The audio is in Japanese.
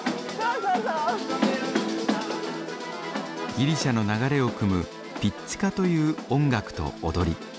ギリシャの流れをくむピッツィカという音楽と踊り。